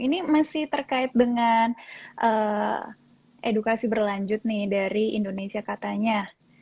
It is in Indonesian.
ini masih terkait dengan edukasi berlanjut nih dari indonesia katanya